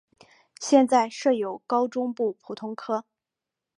现在设有高中部普通科。